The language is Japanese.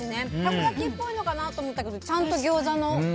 かば焼きっぽいのかなと思ったけどちゃんと餃子の。